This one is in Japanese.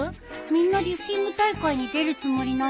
みんなリフティング大会に出るつもりなのかな？